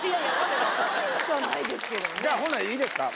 じゃあほんならいいですか？